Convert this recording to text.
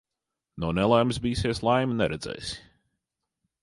No nelaimes bīsies, laimi neredzēsi.